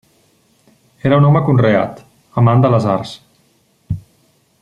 Era un home conreat, amant de les arts.